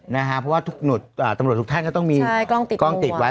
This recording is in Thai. เพราะว่าทุกตำรวจทุกท่านก็ต้องมีกล้องติดไว้